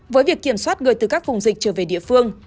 với việc kiểm soát người từ các vùng dịch trở về địa phương